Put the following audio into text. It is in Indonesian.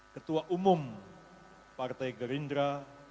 ketua umum partai gerindra